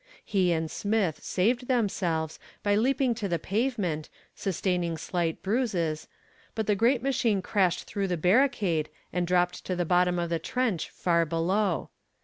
He and Smith saved themselves by leaping to the pavement, sustaining slight bruises, but the great machine crashed through the barricade and dropped to the bottom of the trench far below.